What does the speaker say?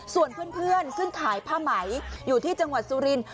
ส่วนเพื่อนซึ่งขายผ้าไหมอยู่ที่จังหวัดสุรินท